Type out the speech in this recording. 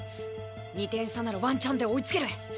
２点差ならワンチャンで追いつける！